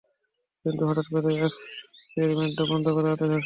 কিন্তু হঠাৎ করেই এক্সপেরিমেন্টটা বন্ধ করার আদেশ আসে।